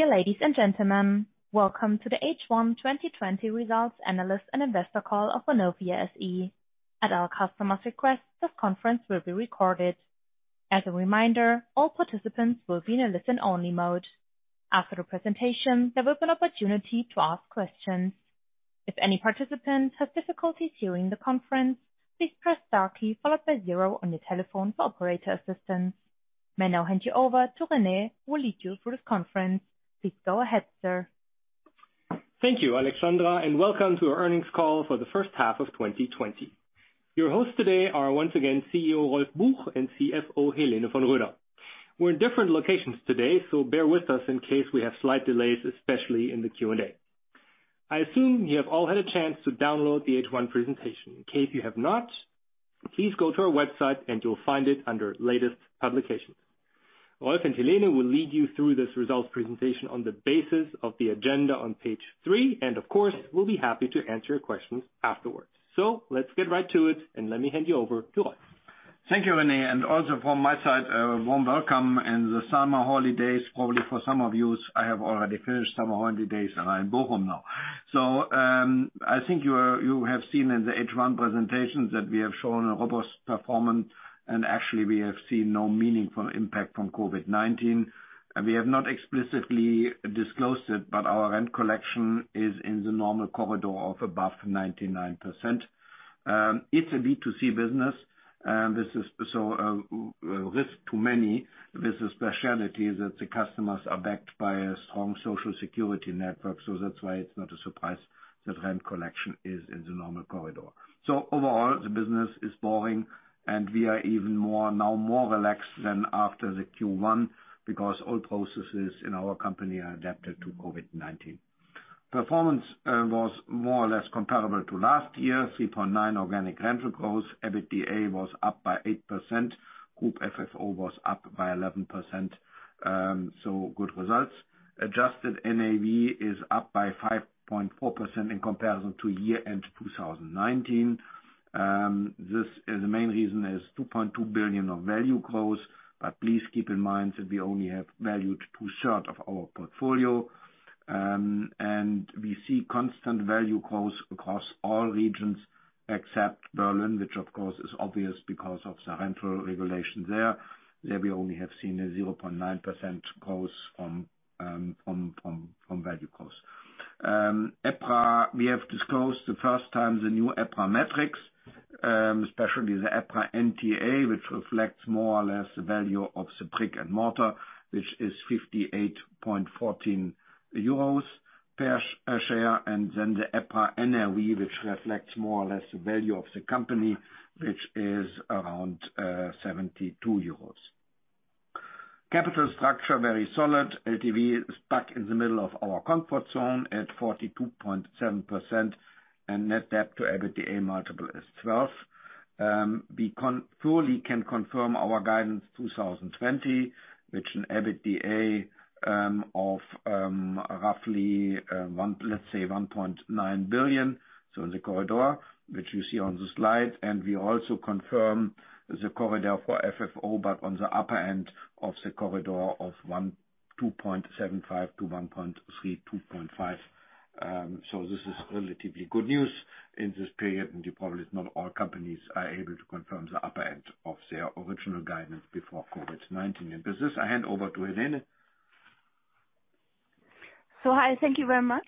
Dear ladies and gentlemen, welcome to the H1 2020 Results Analyst and Investor Call of Vonovia SE. At our customers' request, this conference will be recorded. As a reminder, all participants will be in a listen only mode. After the presentation, there will be an opportunity to ask questions. If any participant has difficulties hearing the conference, please press star key followed by zero on your telephone for operator assistance. May I now hand you over to Rene, who will lead you through this conference. Please go ahead, sir. Thank you, Alexandra, and welcome to our earnings call for the first half of 2020. Your hosts today are once again CEO Rolf Buch and CFO Helene von Roeder. We're in different locations today, so bear with us in case we have slight delays, especially in the Q&A. I assume you have all had a chance to download the H1 presentation. In case you have not, please go to our website and you'll find it under latest publications. Rolf and Helene will lead you through this results presentation on the basis of the agenda on page three, and of course, we'll be happy to answer your questions afterwards. Let's get right to it, and let me hand you over to Rolf. Thank you, Rene. Also from my side, a warm welcome in the summer holidays, probably for some of you. I have already finished summer holidays and I'm in Bochum now. I think you have seen in the H1 presentations that we have shown a robust performance and actually we have seen no meaningful impact from COVID-19. We have not explicitly disclosed it, but our rent collection is in the normal corridor of above 99%. It's a B2C business. This is risk to many. This is specialty that the customers are backed by a strong Social Security network. That's why it's not a surprise that rent collection is in the normal corridor. Overall, the business is boring and we are even now more relaxed than after the Q1 because all processes in our company are adapted to COVID-19. Performance was more or less comparable to last year, 3.9% organic rental growth. EBITDA was up by 8%. Group FFO was up by 11%, so good results. Adjusted NAV is up by 5.4% in comparison to year-end 2019. The main reason is 2.2 billion of value growth. But please keep in mind that we only have valued two-third of our portfolio, and we see constant value growth across all regions except Berlin, which of course is obvious because of the rental regulation there. There we only have seen a 0.9% growth from value growth. EPRA, we have disclosed the first time the new EPRA metrics, especially the EPRA NTA, which reflects more or less the value of the brick and mortar, which is 58.14 euros per share, and then the EPRA NRV, which reflects more or less the value of the company, which is around 72 euros. Capital structure, very solid. LTV is back in the middle of our comfort zone at 42.7%. Net debt to EBITDA multiple is 12. We fully can confirm our guidance 2020, which in EBITDA of roughly, let's say, 1.9 billion, in the corridor, which you see on the slide. We also confirm the corridor for FFO, on the upper end of the corridor of 2.75 to 3.25. This is relatively good news in this period, probably not all companies are able to confirm the upper end of their original guidance before COVID-19. With this, I hand over to Helene. Hi, thank you very much.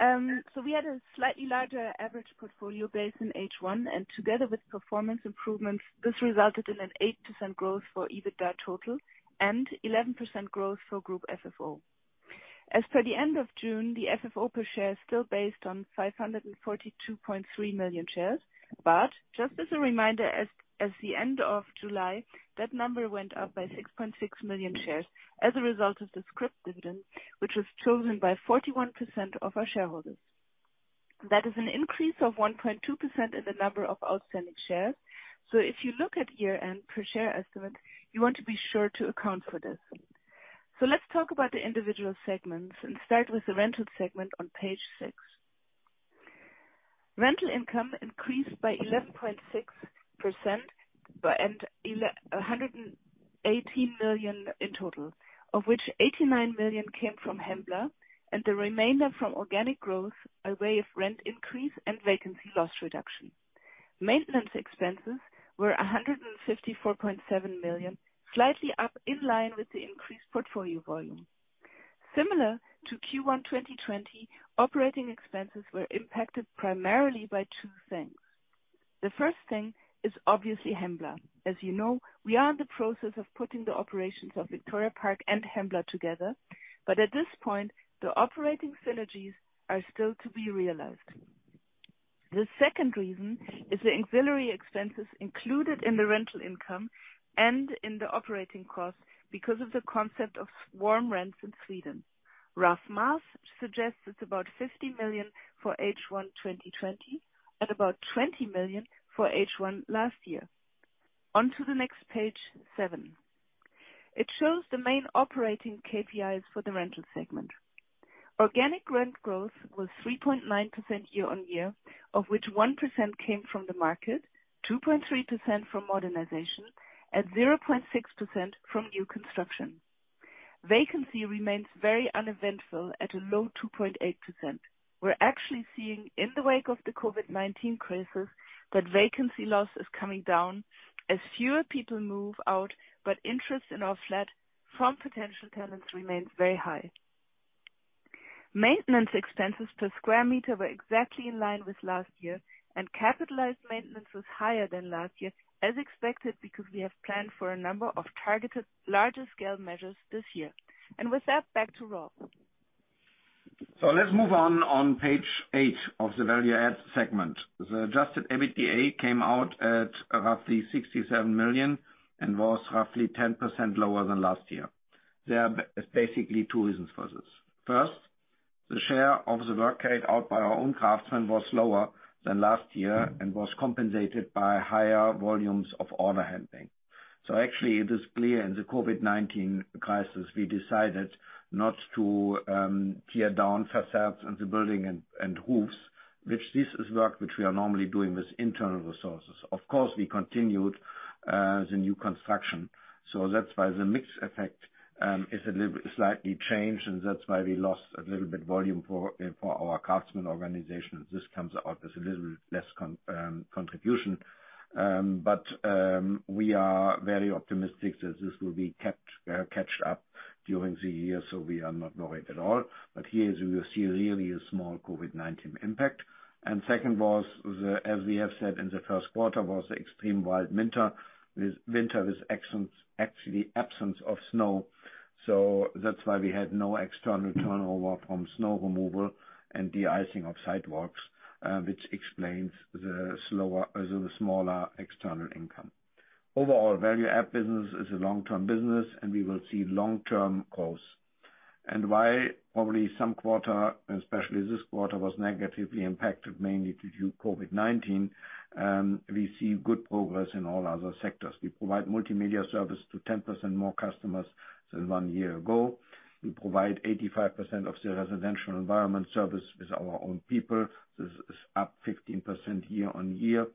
We had a slightly larger average portfolio base in H1, and together with performance improvements, this resulted in an 8% growth for EBITDA total and 11% growth for Group FFO. As per the end of June, the FFO per share is still based on 542.3 million shares. Just as a reminder, as the end of July, that number went up by 6.6 million shares as a result of the scrip dividend, which was chosen by 41% of our shareholders. That is an increase of 1.2% in the number of outstanding shares. If you look at year-end per share estimate, you want to be sure to account for this. Let's talk about the individual segments and start with the rental segment on page six. Rental income increased by 11.6% and 118 million in total, of which 89 million came from Hembla and the remainder from organic growth by way of rent increase and vacancy loss reduction. Maintenance expenses were 154.7 million, slightly up in line with the increased portfolio volume. Similar to Q1 2020, operating expenses were impacted primarily by two things. The first thing is obviously Hembla. As you know, we are in the process of putting the operations of Victoria Park and Hembla together. At this point, the operating synergies are still to be realized. The second reason is the auxiliary expenses included in the rental income and in the operating cost because of the concept of warm rents in Sweden. Rough math suggests it's about 50 million for H1 2020 and about 20 million for H1 last year. On to the next page, seven. It shows the main operating KPIs for the rental segment. Organic rent growth was 3.9% year-on-year, of which 1% came from the market, 2.3% from modernization, and 0.6% from new construction. Vacancy remains very uneventful at a low 2.8%. We're actually seeing in the wake of the COVID-19 crisis that vacancy loss is coming down as fewer people move out, but interest in our flat from potential tenants remains very high. Maintenance expenses per square meter were exactly in line with last year, and capitalized maintenance was higher than last year, as expected, because we have planned for a number of targeted larger scale measures this year. With that, back to Rolf. Let's move on page eight of the value add segment. The adjusted EBITDA came out at roughly 67 million and was roughly 10% lower than last year. There are basically two reasons for this. First, the share of the work carried out by our own craftsmen was lower than last year and was compensated by higher volumes of order handling. Actually it is clear in the COVID-19 crisis, we decided not to tear down facades on the building and roofs, which this is work which we are normally doing with internal resources. Of course, we continued the new construction. That's why the mix effect is a little bit slightly changed, and that's why we lost a little bit volume for our craftsmen organization. This comes out as a little less contribution. We are very optimistic that this will be kept, caught up during the year, so we are not worried at all. Here you will see really a small COVID-19 impact. Second, as we have said in the first quarter, was the extreme wild winter with actually absence of snow. That's why we had no external turnover from snow removal and de-icing of sidewalks, which explains the smaller external income. Overall, value add business is a long-term business, and we will see long-term growth. Why probably some quarter, especially this quarter, was negatively impacted mainly due to COVID-19, we see good progress in all other sectors. We provide multimedia service to 10% more customers than one year ago. We provide 85% of the residential environment service with our own people. This is up 15% year on year.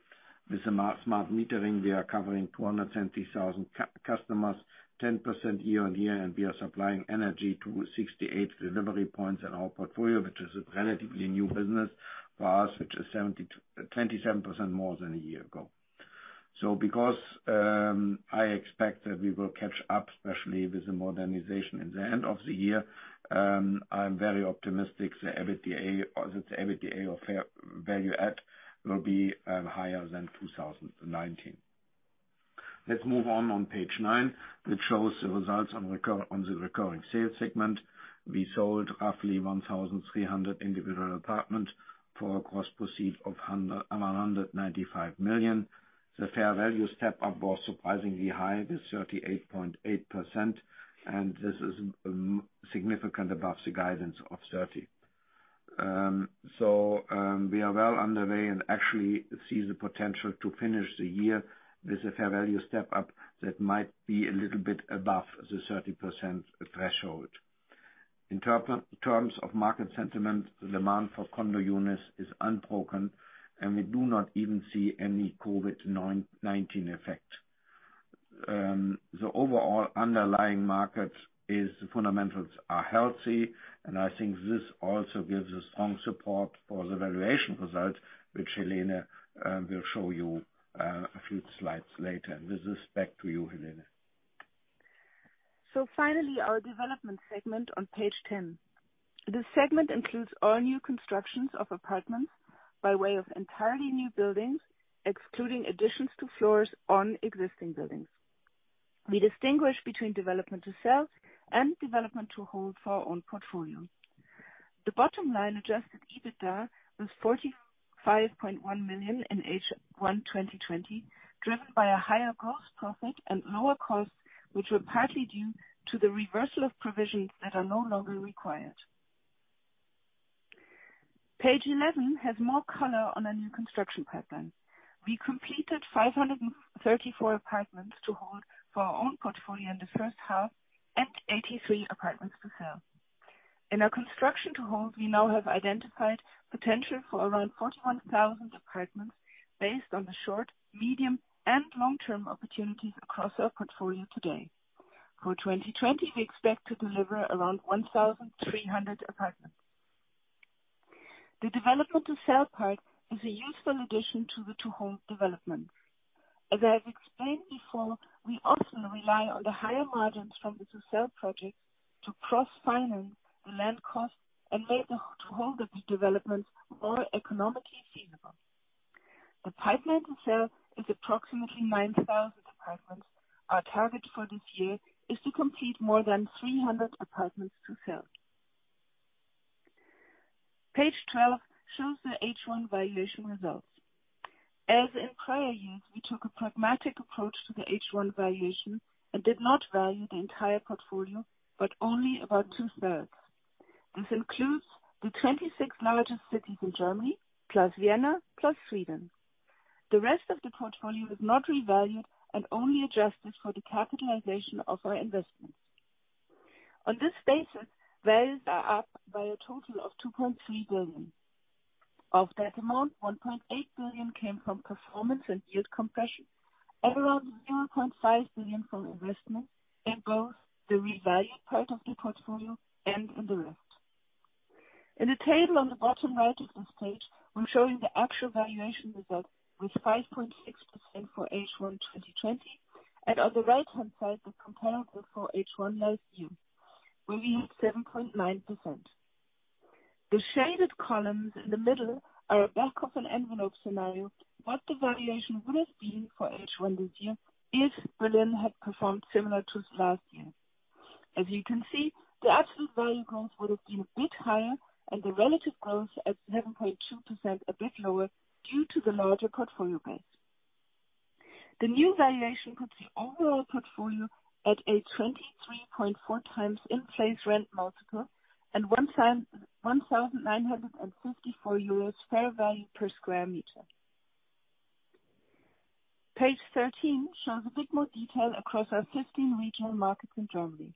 With the smart metering, we are covering 270,000 customers, 10% year-on-year. We are supplying energy to 68 delivery points in our portfolio, which is a relatively new business for us, which is 27% more than a year ago. Because I expect that we will catch up, especially with the modernization in the end of the year, I am very optimistic that the EBITDA of value add will be higher than 2019. Let's move on page nine, which shows the results on the recurring sales segment. We sold roughly 1,300 individual apartments for a gross proceed of 195 million. The fair value step-up was surprisingly high with 38.8%. This is significant above the guidance of 30%. We are well underway and actually see the potential to finish the year with a fair value step-up that might be a little bit above the 30% threshold. In terms of market sentiment, the demand for condo units is unbroken, and we do not even see any COVID-19 effect. The overall underlying market fundamentals are healthy, and I think this also gives a strong support for the valuation results, which Helene will show you a few slides later. With this, back to you, Helene. Finally, our development segment on page 10. This segment includes all new constructions of apartments by way of entirely new buildings, excluding additions to floors on existing buildings. We distinguish between development to sell and development to hold for our own portfolio. The bottom line adjusted EBITDA was 45.1 million in H1 2020, driven by a higher gross profit and lower costs, which were partly due to the reversal of provisions that are no longer required. Page 11 has more color on our new construction pipeline. We completed 534 apartments to hold for our own portfolio in the first half and 83 apartments to sell. In our construction to hold, we now have identified potential for around 41,000 apartments based on the short, medium, and long-term opportunities across our portfolio today. For 2020, we expect to deliver around 1,300 apartments. The development to sell part is a useful addition to the to hold development. As I have explained before, we often rely on the higher margins from the to sell projects to cross-finance the land cost and make the to hold of these developments more economically feasible. The pipeline to sell is approximately 9,000 apartments. Our target for this year is to complete more than 300 apartments to sell. Page 12 shows the H1 valuation results. As in prior years, we took a pragmatic approach to the H1 valuation and did not value the entire portfolio, but only about two-thirds. This includes the 26 largest cities in Germany, plus Vienna, plus Sweden. The rest of the portfolio is not revalued and only adjusted for the capitalization of our investments. On this basis, values are up by a total of 2.3 billion. Of that amount, 1.8 billion came from performance and yield compression, and around 0.5 billion from investment in both the revalued part of the portfolio and on the rest. In the table on the bottom right of this page, we're showing the actual valuation result with 5.6% for H1 2020, and on the right-hand side, the comparable for H1 last year, where we had 7.9%. The shaded columns in the middle are a back-of-an-envelope scenario what the valuation would have been for H1 this year if Berlin had performed similar to last year. As you can see, the absolute value growth would have been a bit higher and the relative growth at 7.2% a bit lower due to the larger portfolio base. The new valuation puts the overall portfolio at a 23.4x in-place rent multiple and 1,954 euros fair value per square meter. Page 13 shows a bit more detail across our 15 regional markets in Germany.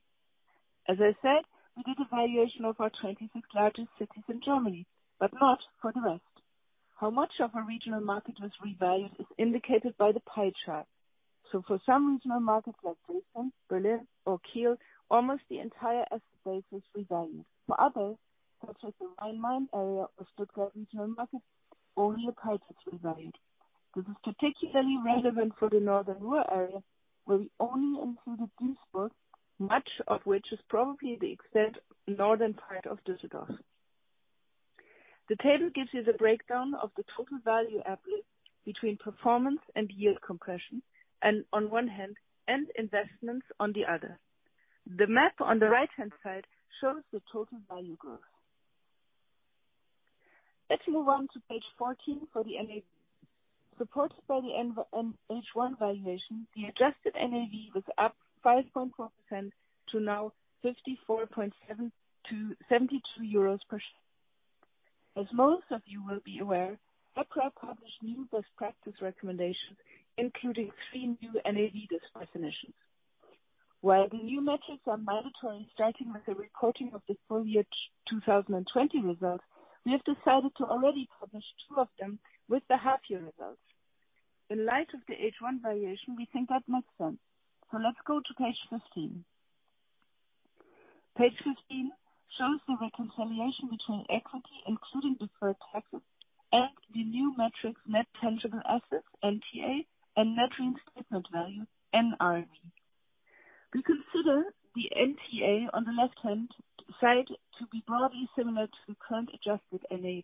As I said, we did a valuation of our 25 largest cities in Germany, but not for the rest. For some regional markets like Dresden, Berlin, or Kiel, almost the entire asset base is revalued. For others, such as the Rhein-Main area or Stuttgart regional market, only a part is revalued. This is particularly relevant for the northern Ruhr area, where we only included Duisburg, much of which is probably the extended northern part of Düsseldorf. The table gives you the breakdown of the total value uplift between performance and yield compression on one hand, and investments on the other. The map on the right-hand side shows the total value growth. Let's move on to page 14 for the NAV. Supported by the H1 valuation, the adjusted NAV was up 5.4% to now 54.72 euros per share. As most of you will be aware, EPRA published new best practice recommendations, including three new NAV definitions. While the new metrics are mandatory starting with the reporting of the full year 2020 results, we have decided to already publish two of them with the half year results. In light of the H1 valuation, we think that makes sense. Let's go to page 15. Page 15 shows the reconciliation between equity, including deferred taxes, and the new metrics Net Tangible Assets, NTA, and Net Reinstatement Value, NRV. We consider the NTA on the left-hand side to be broadly similar to the current adjusted NAV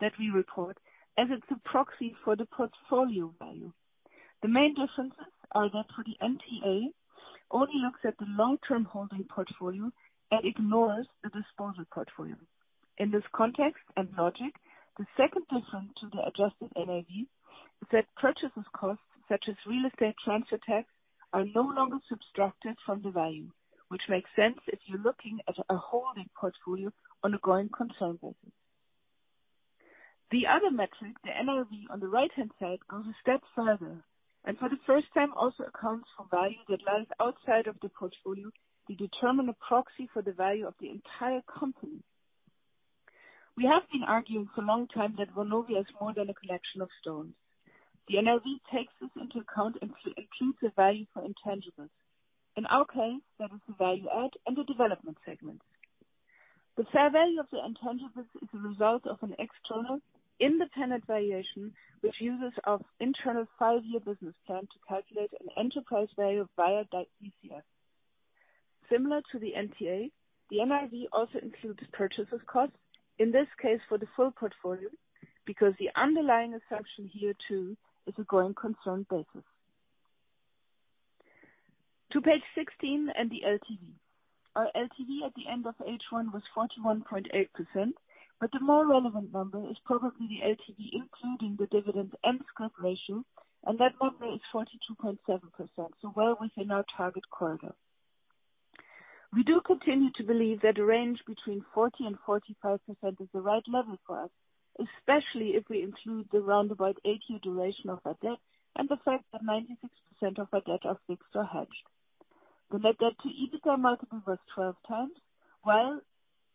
that we report, as it's a proxy for the portfolio value. The main differences are that for the NTA only looks at the long-term holding portfolio and ignores the disposal portfolio. In this context and logic, the second difference to the adjusted NAV is that purchases costs, such as real estate transfer tax, are no longer subtracted from the value, which makes sense if you're looking at a holding portfolio on a going concern basis. The other metric, the NRV on the right-hand side, goes a step further and for the first time also accounts for value that lies outside of the portfolio to determine a proxy for the value of the entire company. We have been arguing for a long time that Vonovia is more than a collection of stones. The NRV takes this into account and includes the value for intangibles. In our case, that is the value add and the development segments. The fair value of the intangibles is the result of an external independent valuation, which uses our internal five-year business plan to calculate an enterprise value via DCF. Similar to the NTA, the NRV also includes purchases cost, in this case for the full portfolio, because the underlying assumption here too is a going concern basis. To page 16 and the LTV. Our LTV at the end of H1 was 41.8%, but the more relevant number is probably the LTV including the dividend and scrip ratio, and that number is 42.7%, so well within our target corridor. We do continue to believe that a range between 40%-45% is the right level for us, especially if we include the roundabout eight-year duration of our debt and the fact that 96% of our debt are fixed or hedged. The net debt to EBITDA multiple was 12x. While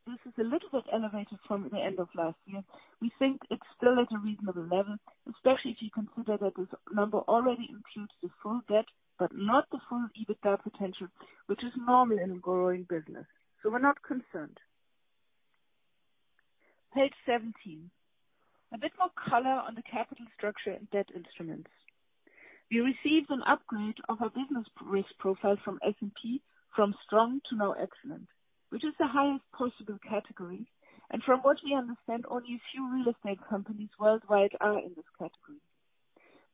this is a little bit elevated from the end of last year, we think it's still at a reasonable level, especially if you consider that this number already includes the full debt, but not the full EBITDA potential, which is normal in a growing business. We're not concerned. Page 17. A bit more color on the capital structure and debt instruments. We received an upgrade of our business risk profile from S&P from strong to now excellent, which is the highest possible category. From what we understand, only a few real estate companies worldwide are in this category.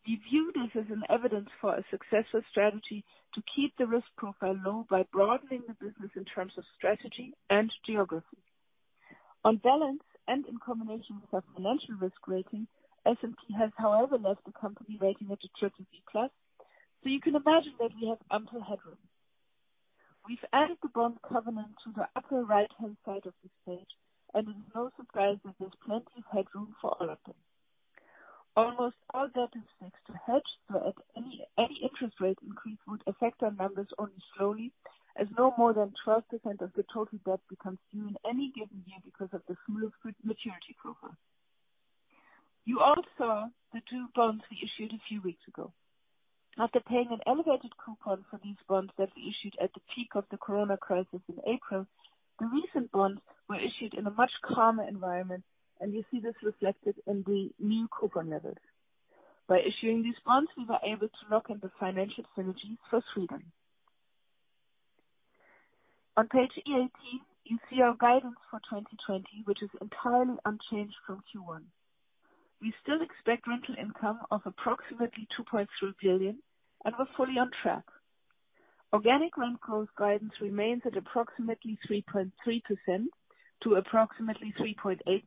We view this as an evidence for a successful strategy to keep the risk profile low by broadening the business in terms of strategy and geography. On balance and in combination with our financial risk rating, S&P has, however, left the company rating at a BBB+. You can imagine that we have ample headroom. We've added the bond covenant to the upper right-hand side of the page, and it is no surprise that there's plenty of headroom for all of them. Almost all debt is fixed or hedged, so any interest rate increase would affect our numbers only slowly, as no more than 12% of the total debt becomes due in any given year because of the smoother maturity profile. You all saw the two bonds we issued a few weeks ago. After paying an elevated coupon for these bonds that we issued at the peak of the COVID crisis in April, the recent bonds were issued in a much calmer environment, and you see this reflected in the new coupon levels. By issuing these bonds, we were able to lock in the financial synergies for Sweden. On page 18, you see our guidance for 2020, which is entirely unchanged from Q1. We still expect rental income of approximately 2.3 billion and we're fully on track. Organic rent growth guidance remains at approximately 3.3% to approximately 3.8%,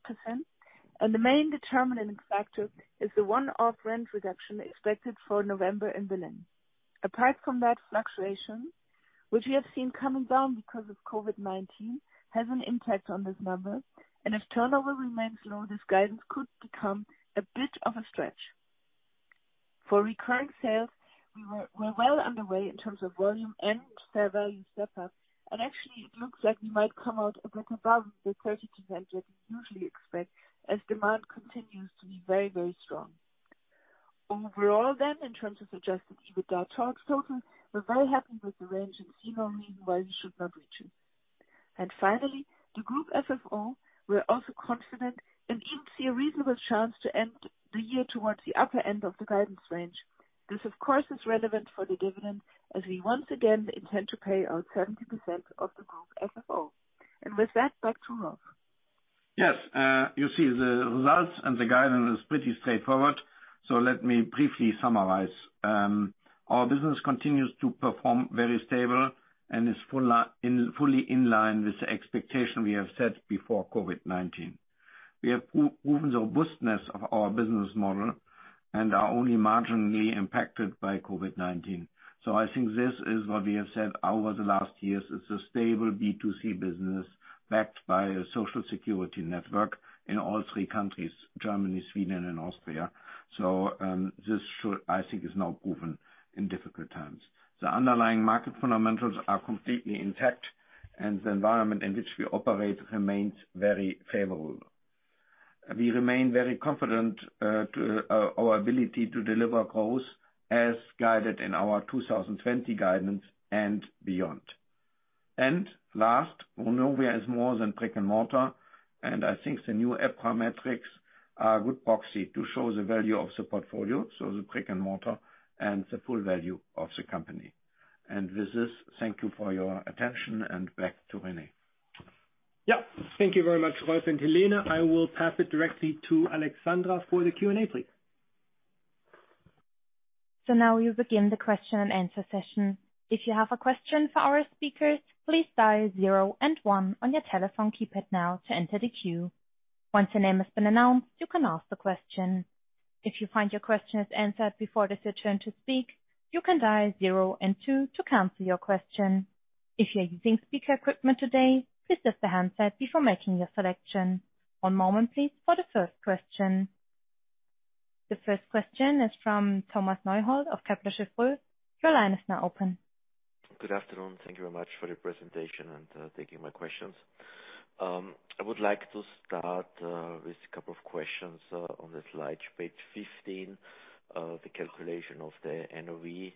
and the main determining factor is the one-off rent reduction expected for November in Berlin. Apart from that fluctuation, which we have seen coming down because of COVID-19, has an impact on this number, and if turnover remains low, this guidance could become a bit of a stretch. For recurring sales, we're well underway in terms of volume and fair value surplus, and actually it looks like we might come out a bit above the 30% that we usually expect, as demand continues to be very, very strong. Overall, in terms of Adjusted EBITDA total, we're very happy with the range and see no reason why we should not reach it. Finally, the Group FFO, we're also confident and even see a reasonable chance to end the year towards the upper end of the guidance range. This, of course, is relevant for the dividend as we once again intend to pay out 70% of the Group FFO. With that, back to Rolf. Yes. You see the results and the guidance is pretty straightforward, let me briefly summarize. Our business continues to perform very stable and is fully in line with the expectation we have set before COVID-19. We have proven the robustness of our business model and are only marginally impacted by COVID-19. I think this is what we have said over the last years. It's a stable B2C business backed by a social security network in all three countries, Germany, Sweden and Austria. This I think is now proven in difficult times. The underlying market fundamentals are completely intact and the environment in which we operate remains very favorable. We remain very confident our ability to deliver growth as guided in our 2020 guidance and beyond. Last, Vonovia is more than brick and mortar, and I think the new EPRA metrics are a good proxy to show the value of the portfolio, so the brick and mortar and the full value of the company. With this, thank you for your attention and back to Rene. Thank you very much, Rolf and Helene. I will pass it directly to Alexandra for the Q&A, please. Now we begin the question and answer session. If you have a question for our speakers, please dial zero and one on your telephone keypad now to enter the queue. Once your name has been announced, you can ask the question. If you find your question is answered before it is your turn to speak, you can dial zero and two to cancel your question. If you're using speaker equipment today, please lift the handset before making your selection. One moment please for the first question. The first question is from Thomas Neuhold of Kepler Cheuvreux. Your line is now open. Good afternoon. Thank you very much for your presentation and taking my questions. I would like to start with a couple of questions on the slide, page 15, the calculation of the NAV.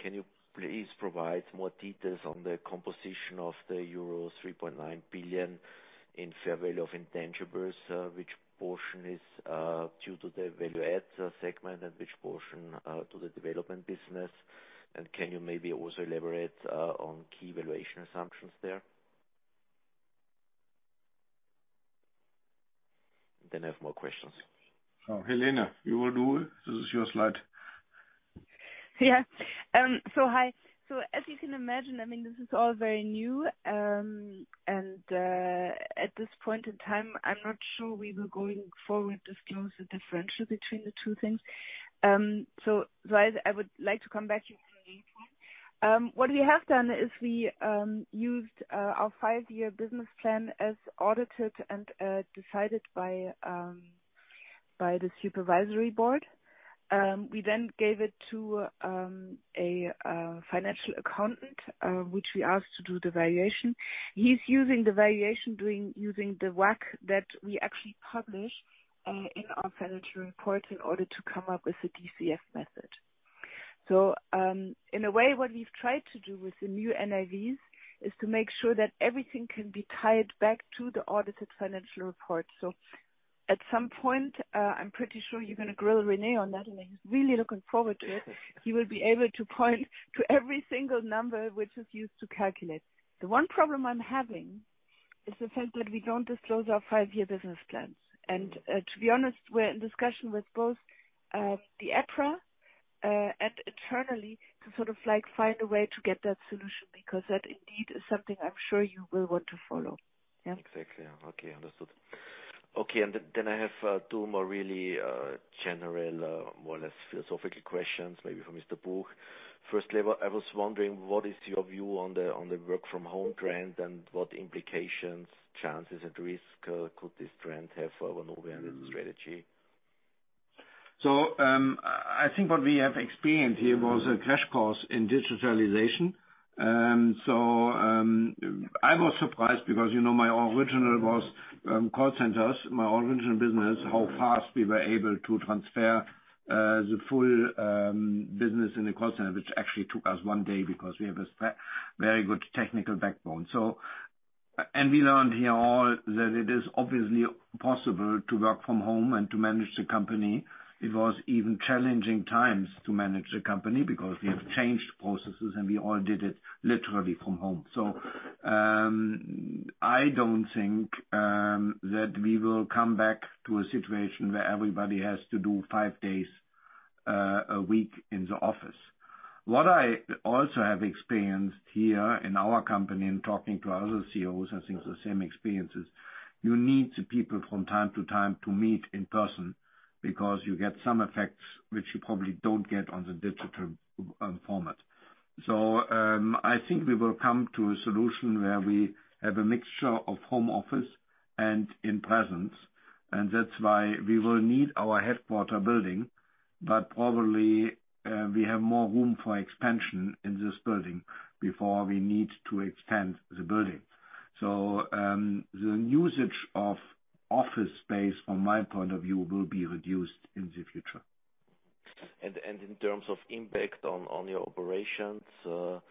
Can you please provide more details on the composition of the euro 3.9 billion in fair value of intangibles? Which portion is due to the value add segment and which portion to the development business? Can you maybe also elaborate on key valuation assumptions there? I have more questions. Helene, you will do it. This is your slide. Hi. As you can imagine, this is all very new. At this point in time I'm not sure we will going forward disclose the differential between the two things. I would like to come back to you on that one. What we have done is we used our five-year business plan as audited and decided by the supervisory board. We gave it to a financial accountant, which we asked to do the valuation. He's using the valuation, using the WACC that we actually publish in our financial report in order to come up with a DCF method. In a way what we've tried to do with the new NAVs is to make sure that everything can be tied back to the audited financial report. At some point, I'm pretty sure you're going to grill Rene on that and he's really looking forward to it. He will be able to point to every single number which is used to calculate. The one problem I'm having is the fact that we don't disclose our five-year business plans. To be honest, we're in discussion with both the EPRA and internally to sort of find a way to get that solution because that indeed is something I'm sure you will want to follow. Yeah. Exactly. Yeah. Okay. Understood. Okay. Then I have two more really general, more or less philosophical questions, maybe for Mr. Buch. Firstly, I was wondering, what is your view on the work from home trend and what implications, chances, and risk could this trend have for Vonovia and its strategy? I think what we have experienced here was a crash course in digitalization. I was surprised because my original was call centers, my original business, how fast we were able to transfer the full business in the call center, which actually took us one day because we have a very good technical backbone. We learned here all that it is obviously possible to work from home and to manage the company. It was even challenging times to manage the company because we have changed processes, and we all did it literally from home. I don't think that we will come back to a situation where everybody has to do five days a week in the office. What I also have experienced here in our company, in talking to other CEOs who have seen the same experiences, you need the people from time to time to meet in person because you get some effects which you probably don't get on the digital format. I think we will come to a solution where we have a mixture of home office and in presence, and that's why we will need our headquarter building. Probably, we have more room for expansion in this building before we need to expand the building. The usage of office space, from my point of view, will be reduced in the future. In terms of impact on your operations, do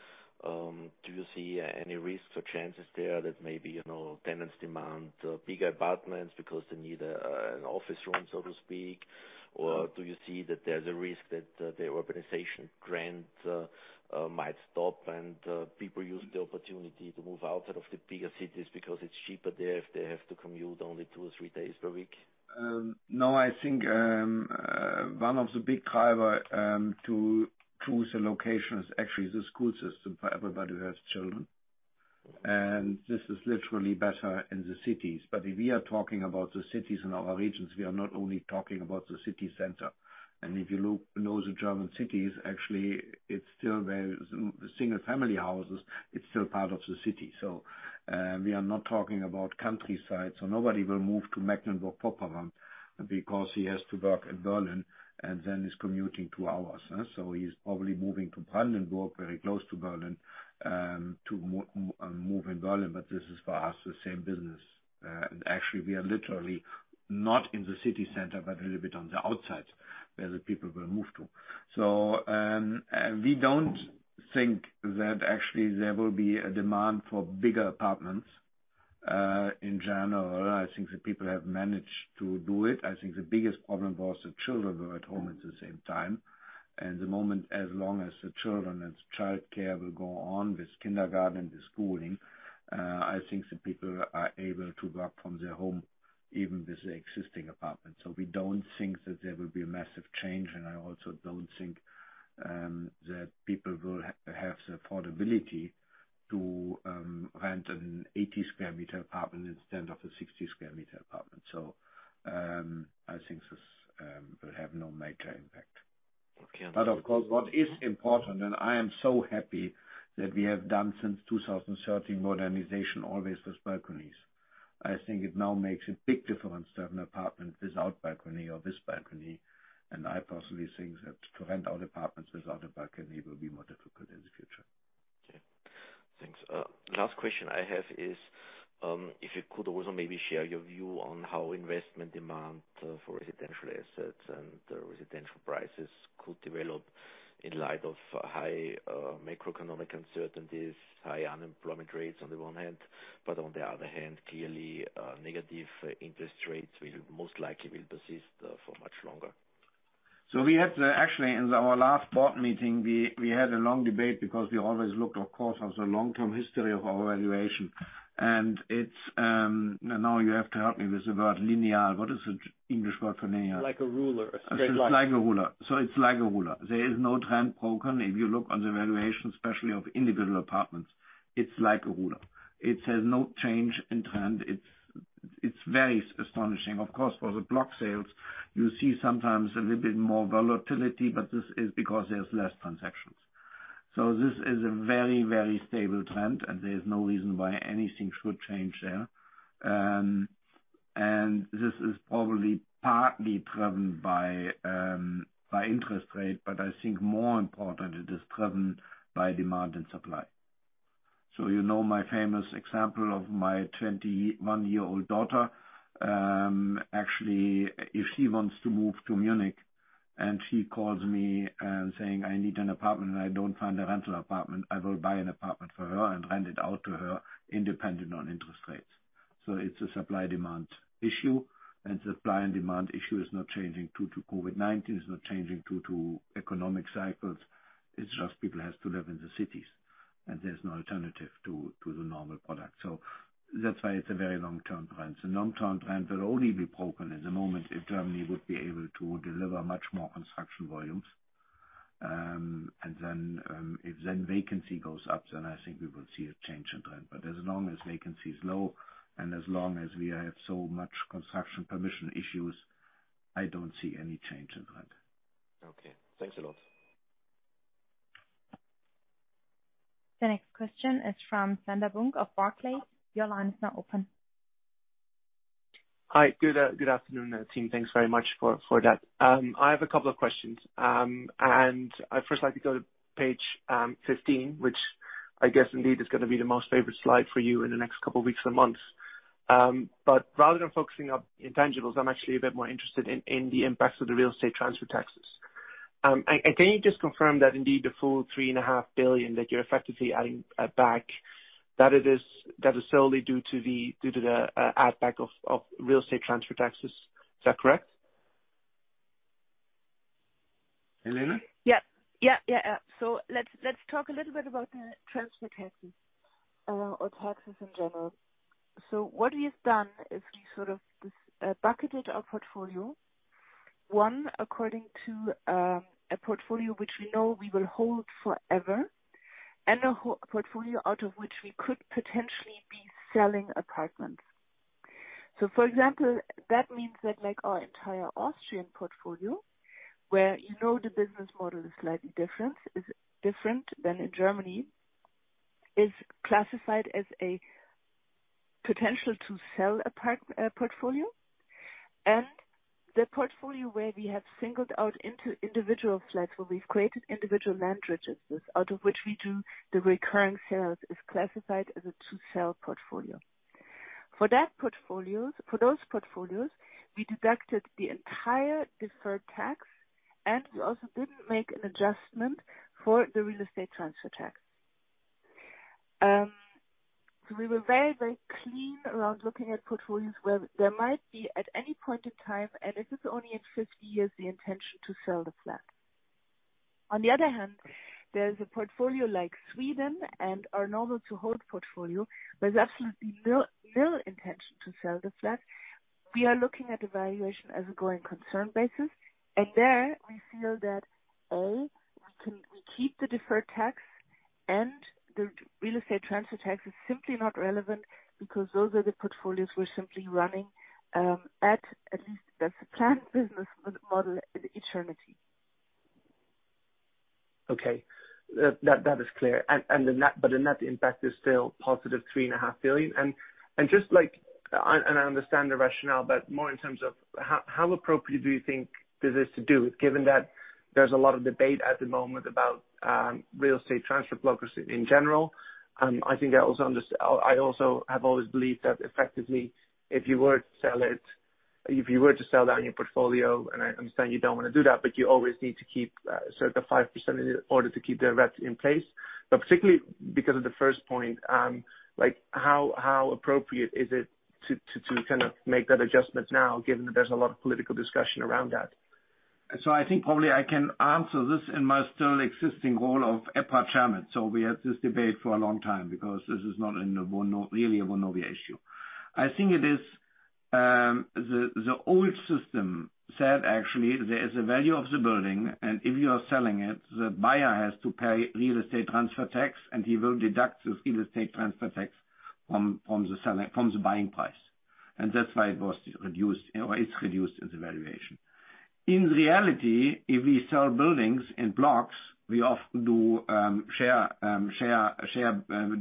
you see any risks or chances there that maybe tenants demand bigger apartments because they need an office room, so to speak? Or do you see that there's a risk that the urbanization trend might stop and people use the opportunity to move out of the bigger cities because it's cheaper there if they have to commute only two or three days per week? I think, one of the big driver to choose a location is actually the school system for everybody who has children. This is literally better in the cities. If we are talking about the cities in our regions, we are not only talking about the city center. If you know the German cities, actually, the single-family houses, it's still part of the city. We are not talking about countryside. Nobody will move to Mecklenburg-Vorpommern because he has to work in Berlin and then is commuting two hours. He's probably moving to Brandenburg, very close to Berlin, to move in Berlin. This is, for us, the same business. Actually, we are literally not in the city center, but a little bit on the outside where the people will move to. We don't think that actually there will be a demand for bigger apartments. In general, I think the people have managed to do it. I think the biggest problem was the children were at home at the same time. The moment, as long as the children and childcare will go on with kindergarten, with schooling, I think the people are able to work from their home even with the existing apartment. We don't think that there will be a massive change, and I also don't think that people will have the affordability to rent an 80 sq m apartment instead of a 60 sq m apartment. I think this will have no major impact. Okay. Of course, what is important, and I am so happy that we have done since 2013, modernization, always with balconies. I think it now makes a big difference to have an apartment without balcony or with balcony, and I personally think that to rent out apartments without a balcony will be more difficult in the future. Okay, thanks. Last question I have is, if you could also maybe share your view on how investment demand for residential assets and residential prices could develop in light of high macroeconomic uncertainties, high unemployment rates on the one hand, but on the other hand, clearly negative interest rates most likely will persist for much longer? We had, actually, in our last board meeting, we had a long debate because we always looked, of course, on the long-term history of our valuation. Now you have to help me with the word linear. What is the English word for linear? Like a ruler. A straight line. Like a ruler. It's like a ruler. There is no trend broken. If you look on the valuation, especially of individual apartments, it's like a ruler. It has no change in trend. It's very astonishing. Of course, for the block sales, you see sometimes a little bit more volatility, but this is because there's less transactions. This is a very, very stable trend, and there's no reason why anything should change there. This is probably partly driven by interest rate, but I think more important, it is driven by demand and supply. You know my famous example of my 21-year-old daughter. Actually, if she wants to move to Munich and she calls me saying, "I need an apartment, and I don't find a rental apartment," I will buy an apartment for her and rent it out to her independent on interest rates. It's a supply/demand issue, and supply and demand issue is not changing due to COVID-19. It's not changing due to economic cycles. It's just people have to live in the cities, and there's no alternative to the normal product. That's why it's a very long-term trend. The long-term trend will only be broken at the moment if Germany would be able to deliver much more construction volumes. If vacancy goes up, then I think we will see a change in rent. As long as vacancy is low and as long as we have so much construction permission issues, I don't see any change in rent. Okay. Thanks a lot. The next question is from Sander Bunck of Barclays. Your line is now open. Hi. Good afternoon, team. Thanks very much for that. I have a couple of questions. I'd first like to go to page 15, which I guess indeed is going to be the most favorite slide for you in the next couple of weeks and months. Rather than focusing on intangibles, I'm actually a bit more interested in the impacts of the real estate transfer taxes. Can you just confirm that indeed the full 3.5 billion that you're effectively adding back, that is solely due to the add back of real estate transfer taxes? Is that correct? Helene? Let's talk a little bit about the transfer taxes, or taxes in general. What we've done is we sort of bucketed our portfolio. One, according to a portfolio which we know we will hold forever, and a portfolio out of which we could potentially be selling apartments. For example, that means that our entire Austrian portfolio, where you know the business model is slightly different than in Germany, is classified as a potential to sell a portfolio. The portfolio where we have singled out into individual flats, where we've created individual land registers out of which we do the recurring sales, is classified as a to sell portfolio. For those portfolios, we deducted the entire deferred tax, and we also didn't make an adjustment for the real estate transfer tax. We were very clean around looking at portfolios where there might be, at any point in time, and this is only in 50 years, the intention to sell the flat. There is a portfolio like Sweden and our normal to hold portfolio, where there's absolutely no intention to sell the flat. We are looking at the valuation as a going concern basis. There we feel that, A, we keep the deferred tax and the real estate transfer tax is simply not relevant because those are the portfolios we're simply running at least that's the planned business model, eternity. Okay. That is clear. The net impact is still +3.5 billion. I understand the rationale, but more in terms of how appropriate do you think this is to do, given that there's a lot of debate at the moment about real estate transfer tax in general? I also have always believed that effectively, if you were to sell down your portfolio, and I understand you don't want to do that, but you always need to keep the 5% in order to keep the REIT in place. Particularly because of the first point, how appropriate is it to make that adjustment now, given that there's a lot of political discussion around that? I think probably I can answer this in my still existing role of EPRA chairman. We had this debate for a long time because this is not really a Vonovia issue. I think the old system said actually there is a value of the building, and if you are selling it, the buyer has to pay real estate transfer tax, and he will deduct the real estate transfer tax from the buying price. That's why it's reduced in the valuation. In reality, if we sell buildings in blocks, we often do share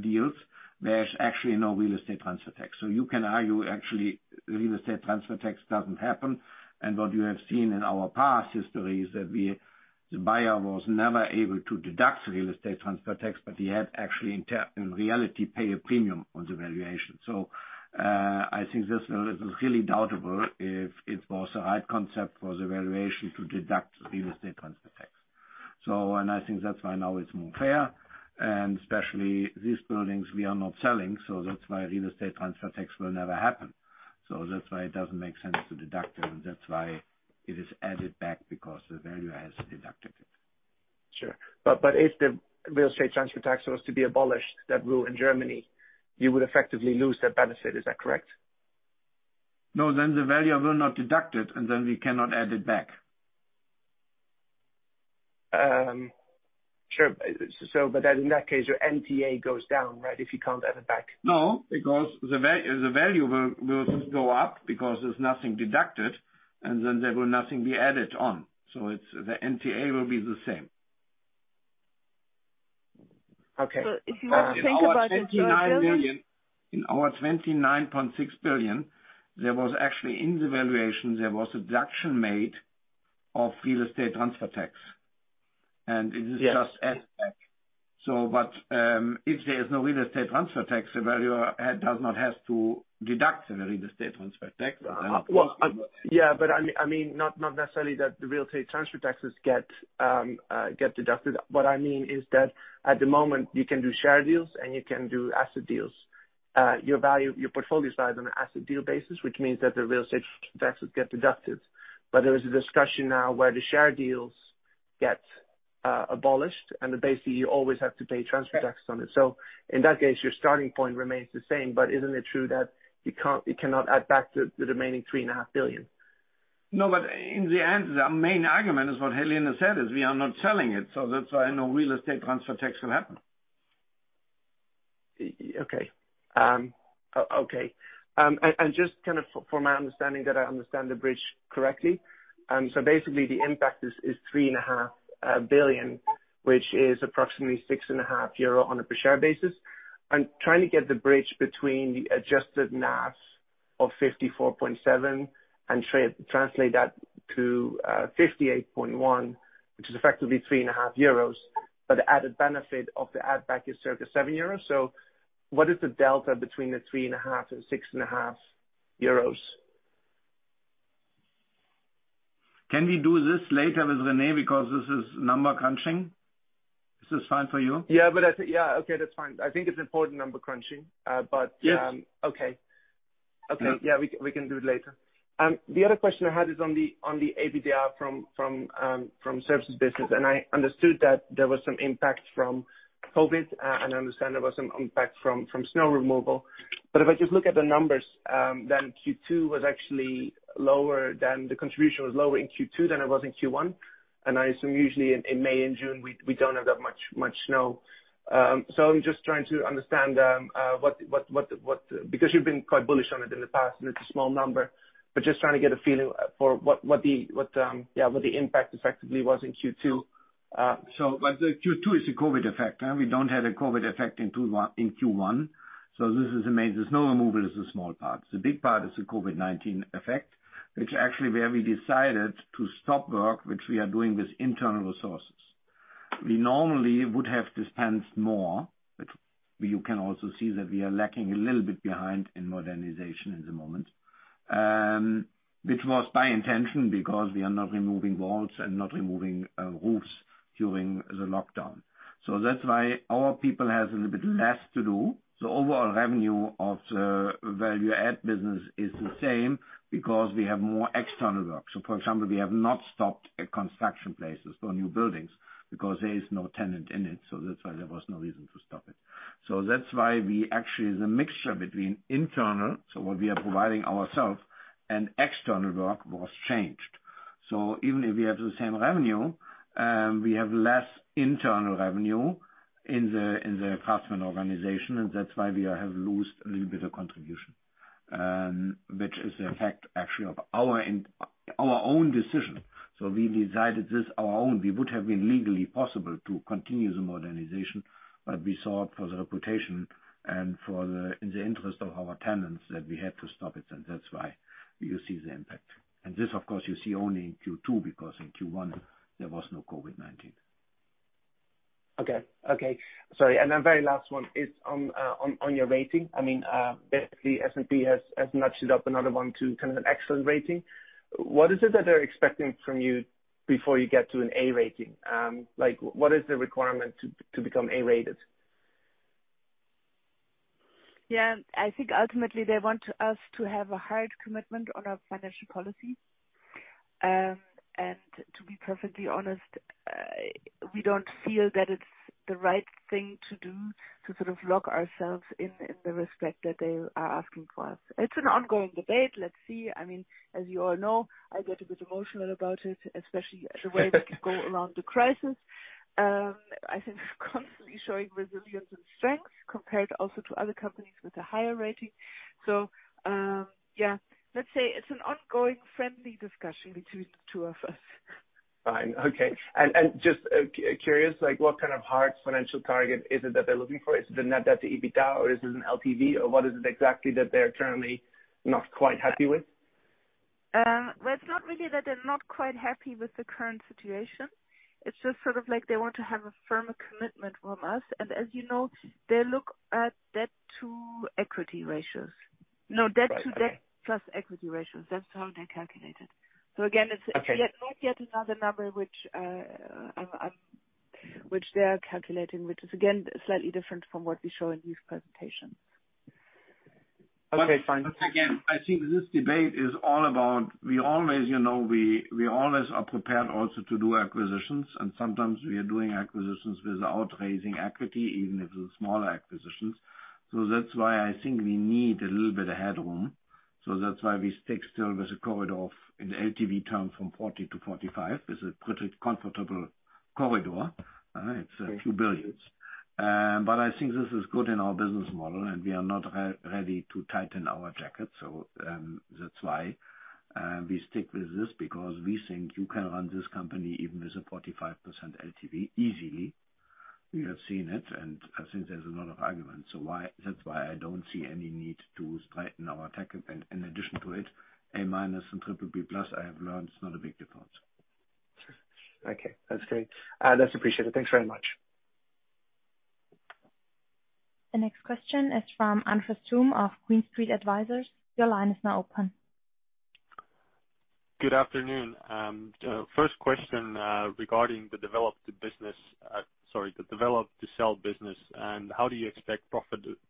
deals. There's actually no real estate transfer tax. You can argue actually real estate transfer tax doesn't happen. What you have seen in our past history is that the buyer was never able to deduct real estate transfer tax, but he had actually, in reality, pay a premium on the valuation. I think this is really doubtful if it was a right concept for the valuation to deduct real estate transfer tax. I think that's why now it's more fair, and especially these buildings we are not selling, so that's why real estate transfer tax will never happen. That's why it doesn't make sense to deduct it, and that's why it is added back because the valuer has deducted it. Sure. If the real estate transfer tax was to be abolished, that rule in Germany, you would effectively lose that benefit. Is that correct? No, the valuer will not deduct it, and then we cannot add it back. Sure. In that case, your NTA goes down, right, if you can't add it back? No, because the value will go up because there's nothing deducted, and then there will nothing be added on. The NTA will be the same. Okay. If you want to think about it the other- In our 29.6 billion, actually in the valuation, there was a deduction made of real estate transfer tax. It is just add back. If there is no real estate transfer tax, the valuer does not have to deduct the real estate transfer tax. I mean, not necessarily that the real estate transfer taxes get deducted. What I mean is that at the moment, you can do share deals and you can do asset deals. Your portfolio is valued on an asset deal basis, which means that the real estate transfer taxes get deducted. There is a discussion now where the share deals get abolished, and basically, you always have to pay transfer taxes on it. In that case, your starting point remains the same, but isn't it true that you cannot add back the remaining 3.5 billion? In the end, the main argument is what Helene said, is we are not selling it. That's why no real estate transfer tax will happen. Okay. Just for my understanding, that I understand the bridge correctly. Basically the impact is three and a half billion, which is approximately 6.5 euro On a per share basis. I'm trying to get the bridge between the adjusted NAV of 54.7 and translate that to 58.1, which is effectively 3.5 euros. But the added benefit of the add back is circa 7 euros. What is the delta between the 3.5 and EUR 6.5? Can we do this later with Rene, because this is number crunching? Is this fine for you? Yeah. Okay, that's fine. I think it's important number crunching. Yes okay. Yeah, we can do it later. The other question I had is on the EBITDA from services business. I understood that there was some impact from COVID. I understand there was some impact from snow removal. If I just look at the numbers, then the contribution was lower in Q2 than it was in Q1. I assume usually in May and June, we don't have that much snow. I'm just trying to understand, because you've been quite bullish on it in the past, and it's a small number, but just trying to get a feeling for what the impact effectively was in Q2. The Q2 is a COVID effect. We don't have a COVID effect in Q1. This is amazing. Snow removal is a small part. The big part is the COVID-19 effect, which actually where we decided to stop work, which we are doing with internal resources. We normally would have dispensed more, which you can also see that we are lacking a little bit behind in modernization in the moment, which was by intention because we are not removing walls and not removing roofs during the lockdown. That's why our people has a little bit less to do. Overall revenue of the value add business is the same because we have more external work. For example, we have not stopped at construction places for new buildings because there is no tenant in it, so that's why there was no reason to stop it. That's why actually the mixture between internal, so what we are providing ourselves and external work was changed. Even if we have the same revenue, we have less internal revenue in the craftsmen organization, and that's why we have lost a little bit of contribution, which is the effect actually of our own decision. We decided this on our own. We would have been legally possible to continue the modernization, but we saw it for the reputation and in the interest of our tenants that we had to stop it, and that's why you see the impact. This, of course, you see only in Q2 because in Q1 there was no COVID-19. Okay. Sorry. Then very last one is on your rating. Basically S&P has nudged it up another one to kind of an excellent rating. What is it that they're expecting from you before you get to an A rating? What is the requirement to become A-rated? Yeah. I think ultimately they want us to have a hard commitment on our financial policy. To be perfectly honest, we don't feel that it's the right thing to do to sort of lock ourselves in the respect that they are asking for us. It's an ongoing debate. Let's see. As you all know, I get a bit emotional about it, especially the way we go around the crisis. I think constantly showing resilience and strength compared also to other companies with a higher rating. Yeah, let's say it's an ongoing friendly discussion between the two of us. Fine. Okay. Just curious, what kind of hard financial target is it that they're looking for? Is it the net debt to EBITDA or is it an LTV or what is it exactly that they're currently not quite happy with? Well, it's not really that they're not quite happy with the current situation. It's just sort of like they want to have a firmer commitment from us. As you know, they look at debt to equity ratios. No, debt to debt plus equity ratios. That's how they calculate it. Again, it's not yet another number which they are calculating, which is again, slightly different from what we show in these presentations. Okay, fine. Again, I think this debate is all about, we always are prepared also to do acquisitions and sometimes we are doing acquisitions without raising equity, even if it's smaller acquisitions. That's why I think we need a little bit of headroom. That's why we stick still with the corridor of, in LTV term, from 40 to 45. This is pretty comfortable corridor. It's a few billions. I think this is good in our business model and we are not ready to tighten our jacket. That's why we stick with this because we think you can run this company even with a 45% LTV easily. We have seen it, and I think there's a lot of arguments. That's why I don't see any need to tighten our tack. In addition to it, A-minus and BBB+ I have learned it's not a big difference. Okay. That's great. That's appreciated. Thanks very much. The next question is from Andres Toome of Green Street Advisors. Your line is now open. Good afternoon. First question, regarding the develop to sell business, how do you expect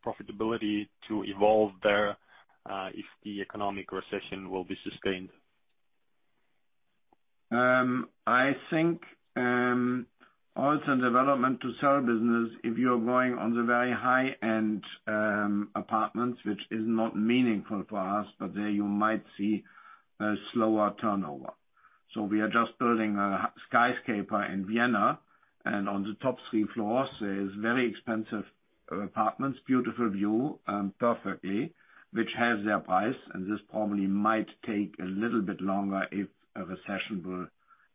profitability to evolve there, if the economic recession will be sustained? I think, also development to sell business, if you are going on the very high-end apartments, which is not meaningful for us, but there you might see a slower turnover. We are just building a skyscraper in Vienna, and on the top three floors, there is very expensive apartments, beautiful view, perfectly, which has their price. This probably might take a little bit longer if a recession will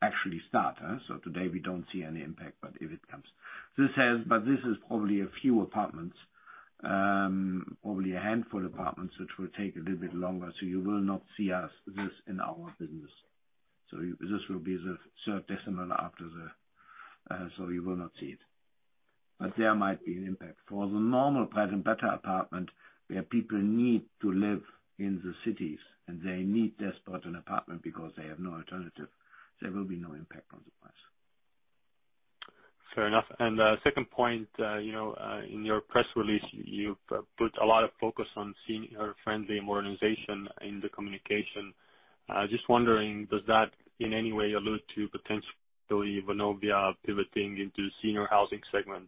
actually start. Today we don't see any impact, but if it comes. This is probably a few apartments, probably a handful of apartments, which will take a little bit longer. You will not see this in our business. This will be the third decimal after the. You will not see it. There might be an impact. For the normal Prime and Better apartment, where people need to live in the cities, and they need desperate an apartment because they have no alternative, there will be no impact on the price. Fair enough. The second point, in your press release, you've put a lot of focus on senior friendly modernization in the communication. Just wondering, does that in any way allude to potentially Vonovia pivoting into senior housing segment,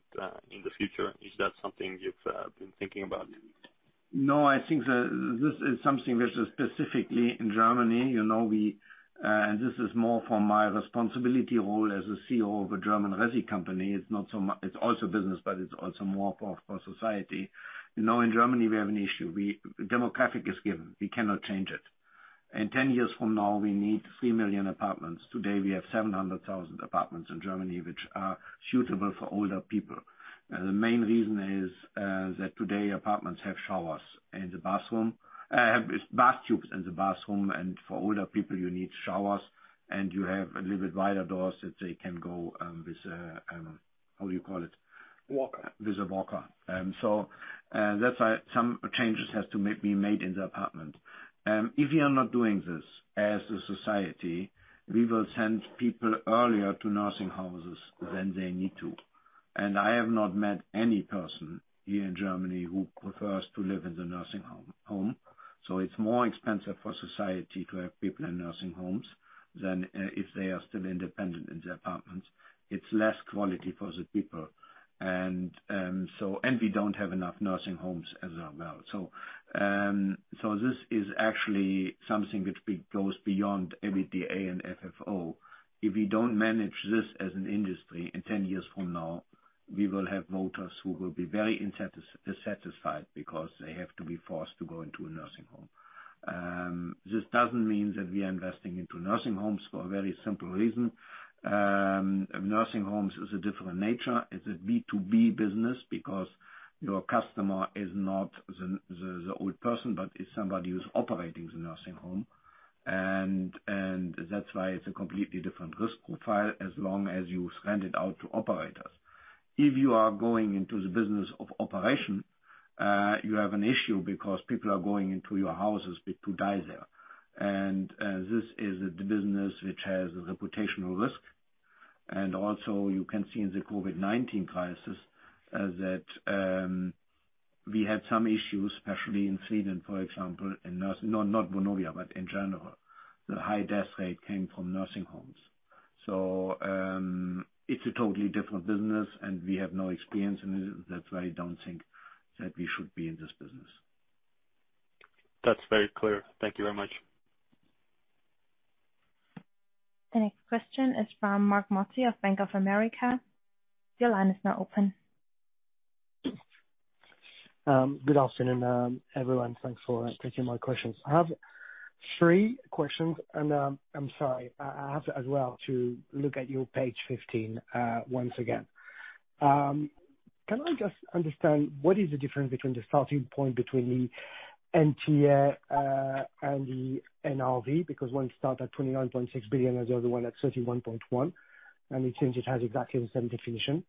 in the future? Is that something you've been thinking about? I think this is something which is specifically in Germany. This is more for my responsibility role as a CEO of a German resi company. It's also business, but it's also more for society. In Germany, we have an issue. Demographic is given. We cannot change it. In 10 years from now, we need 3 million apartments. Today, we have 700,000 apartments in Germany which are suitable for older people. The main reason is that today, apartments have bathtubs in the bathroom. For older people, you need showers and you have a little bit wider doors that they can go with a, how do you call it? Walker. With a walker. That is why some changes have to be made in the apartment. If we are not doing this as a society, we will send people earlier to nursing homes than they need to. I have not met any person here in Germany who prefers to live in the nursing home. It is more expensive for society to have people in nursing homes than if they are still independent in the apartments. It is less quality for the people. We do not have enough nursing homes as well. This is actually something which goes beyond EBITDA and FFO. If we do not manage this as an industry, in 10 years from now, we will have voters who will be very dissatisfied because they have to be forced to go into a nursing home. This does not mean that we are investing into nursing homes for a very simple reason. Nursing homes is a different nature. It's a B2B business because your customer is not the old person, but it's somebody who's operating the nursing home. That's why it's a completely different risk profile as long as you send it out to operators. If you are going into the business of operation, you have an issue because people are going into your houses to die there. This is the business which has a reputational risk. Also, you can see in the COVID-19 crisis that we had some issues, especially in Sweden, for example. Not Vonovia, but in general. The high death rate came from nursing homes. It's a totally different business, and we have no experience in it. That's why I don't think that we should be in this business. That's very clear. Thank you very much. The next question is from Marc Mozzi of Bank of America. Your line is now open. Good afternoon, everyone. Thanks for taking my questions. I have three questions. I'm sorry, I have to as well to look at your page 15 once again. Can I just understand what is the difference between the starting point between the NTA and the NRV? One start at 29.6 billion and the other one at 31.1 billion. It seems it has exactly the same definition.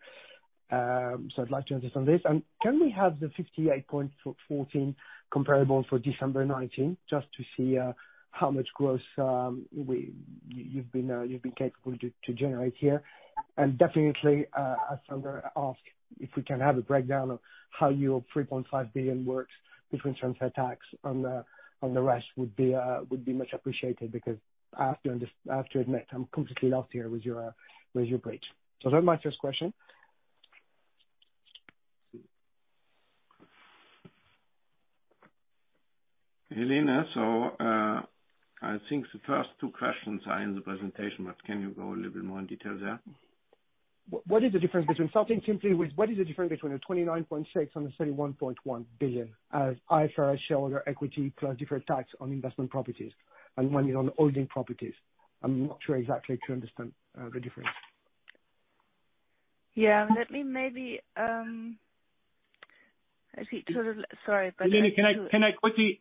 I'd like to understand this. Can we have the 58.14 comparable for December 2019, just to see how much growth you've been capable to generate here. Definitely, as Sander asked, if we can have a breakdown of how your 3.5 billion works between transfer tax and the rest would be much appreciated because I have to admit, I'm completely lost here with your bridge. That's my first question. Helene, I think the first two questions are in the presentation, but can you go a little bit more in detail there? Starting simply, what is the difference between the 29.6 billion and the 31.1 billion as IFRS shareholder equity plus deferred tax on investment properties and one on holding properties? I'm not sure exactly to understand the difference. Yeah. Let me maybe Sorry. Helene, Yes. Can I quickly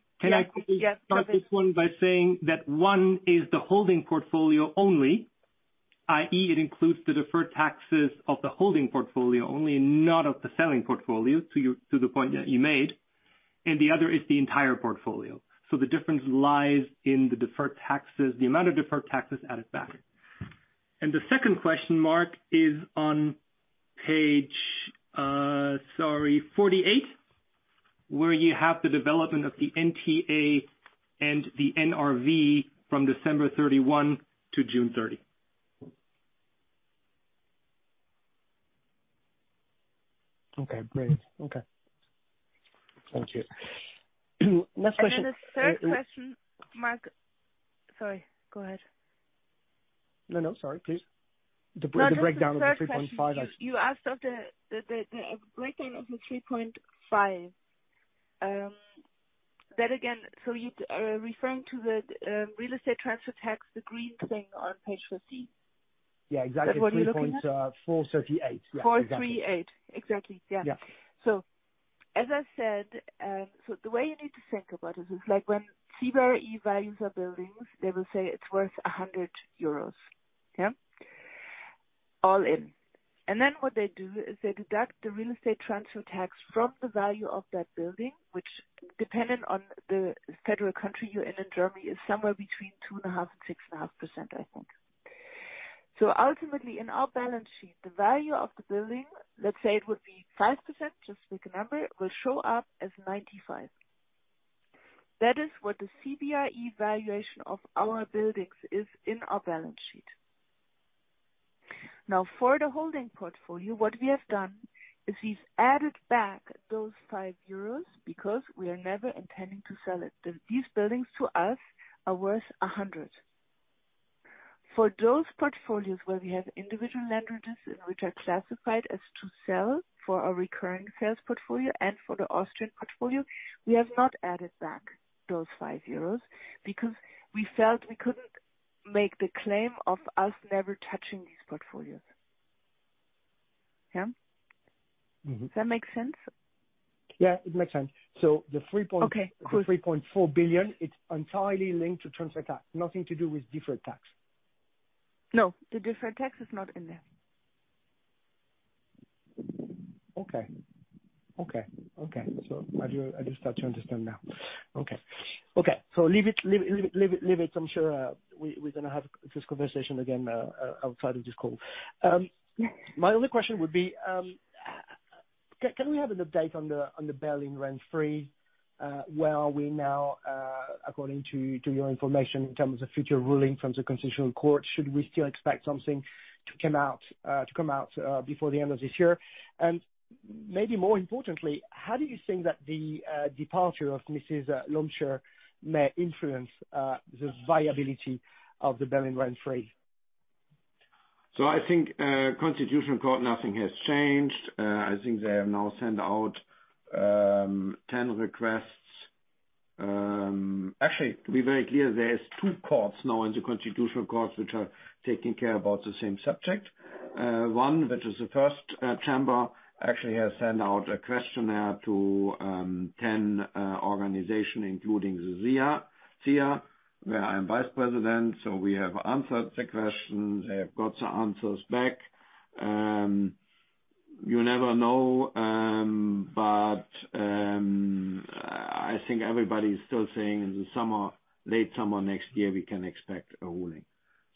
start this one by saying that one is the holding portfolio only, i.e., it includes the deferred taxes of the holding portfolio only and not of the selling portfolio to the point that you made. The other is the entire portfolio. The difference lies in the amount of deferred taxes added back. The second question, Marc, is on page, sorry, 48, where you have the development of the NTA and the NRV from December 31 to June 30. Okay, great. Thank you. Next question. The third question, Marc. Sorry, go ahead. No, sorry, please. The breakdown of the 3.5- You asked of the breakdown of the 3.5. That again, so you're referring to the real estate transfer tax, the green thing on page 14? Yeah, exactly. Is that what you're looking at? Yeah, exactly. Exactly, yeah. Yeah. As I said, the way you need to think about it is like when CBRE values our buildings, they will say it's worth 100 euros. Yeah. All in. What they do is they deduct the real estate transfer tax from the value of that building, which dependent on the federal country you're in Germany, is somewhere between 2.5% and 6.5%, I think. Ultimately, in our balance sheet, the value of the building, let's say it would be 5%, just to pick a number, will show up as 95. That is what the CBRE valuation of our buildings is in our balance sheet. For the holding portfolio, what we have done is we've added back those 5 euros because we are never intending to sell it. These buildings to us are worth 100. For those portfolios where we have individual land registers and which are classified as to sell for our recurring sales portfolio and for the Austrian portfolio, we have not added back those 5 euros because we felt we couldn't make the claim of us never touching these portfolios. Yeah? Does that make sense? Yeah, it makes sense. Okay, cool. 3.4 billion, it's entirely linked to transfer tax. Nothing to do with deferred tax. No, the deferred tax is not in there. Okay. I do start to understand now. Okay. Leave it. I'm sure we're going to have this conversation again outside of this call. My other question would be, can we have an update on the Berlin rent freeze? Where are we now according to your information in terms of future ruling from the Constitutional Court? Should we still expect something to come out before the end of this year? Maybe more importantly, how do you think that the departure of Mrs. Lompscher may influence the viability of the Berlin rent freeze? I think Constitutional Court, nothing has changed. I think they have now sent out 10 requests. Actually, to be very clear, there are two courts now in the Constitutional Court which are taking care about the same subject. One, which is the first chamber, actually has sent out a questionnaire to 10 organizations, including ZIA, where I am vice president. We have answered the questions. They have got the answers back. You never know, but I think everybody is still saying in the late summer next year, we can expect a ruling.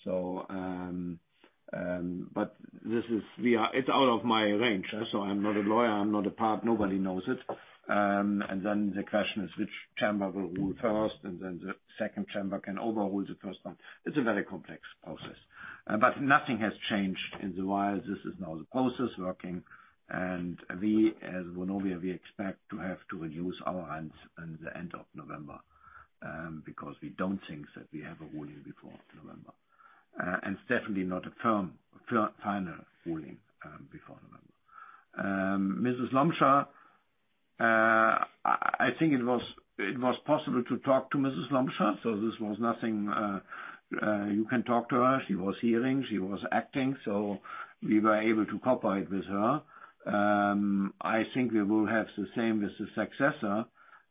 It is out of my range. I am not a lawyer. I am not a part. Nobody knows it. The question is which chamber will rule first, and then the second chamber can overrule the first one. It is a very complex process. Nothing has changed in the while. This is now the process working, and we as Vonovia, we expect to have to reduce our rents in the end of November, because we don't think that we have a ruling before November. Definitely not a firm final ruling before November. Mrs. Lompscher, I think it was possible to talk to Mrs. Lompscher, so this was nothing. You can talk to her. She was hearing, she was acting, so we were able to cooperate with her. I think we will have the same with the successor.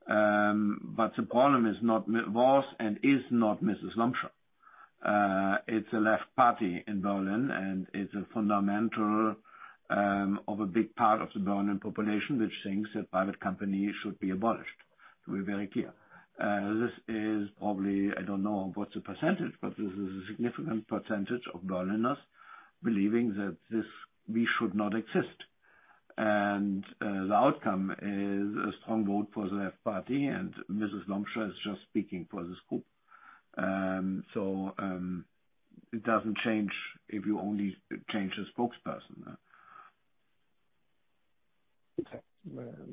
The problem was and is not Mrs. Lompscher. It's the Left Party in Berlin, and it's a fundamental of a big part of the Berlin population, which thinks that private companies should be abolished. To be very clear. This is probably, I don't know what's the percentage, but this is a significant percentage of Berliners believing that we should not exist. The outcome is a strong vote for the Left Party, and Mrs. Lompscher is just speaking for this group. It doesn't change if you only change the spokesperson. Okay.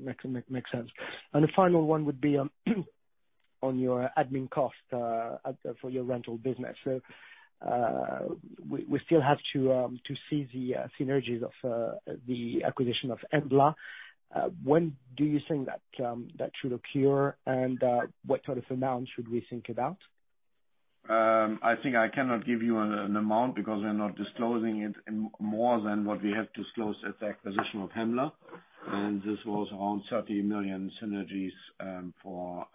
Makes sense. The final one would be on your admin cost for your rental business. We still have to see the synergies of the acquisition of Hembla. When do you think that should occur? What sort of amount should we think about? I think I cannot give you an amount because we are not disclosing it more than what we have disclosed at the acquisition of Hembla. This was around 30 million synergies for